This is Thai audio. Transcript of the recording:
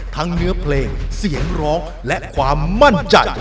เนื้อเพลงเสียงร้องและความมั่นใจ